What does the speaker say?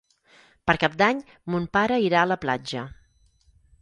Per Cap d'Any mon pare irà a la platja.